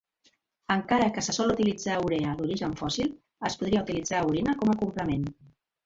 Encara que se sol utilitzar Urea d'origen fòssil, es podria utilitzar orina com a complement.